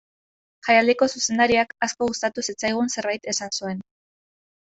Jaialdiko zuzendariak asko gustatu zitzaigun zerbait esan zuen.